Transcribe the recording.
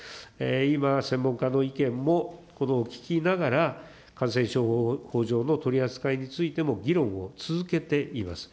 今、専門家の意見も聞きながら、感染症法上の取り扱いについても議論を続けています。